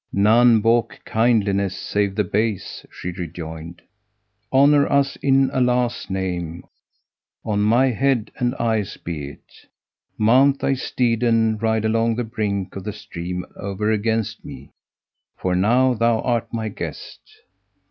"None baulk kindliness save the base," she rejoined, "honour us in Allah's name, on my head and eyes be it! Mount thy steed and ride along the brink of the stream over against me, for now thou art my guest."